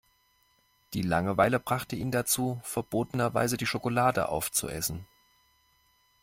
Die Langeweile brachte ihn dazu, verbotenerweise die Schokolade aufzuessen.